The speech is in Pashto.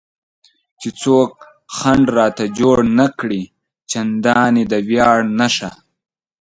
چې څوک خنډ راته جوړ نه کړي، چندانې د ویاړ نښه.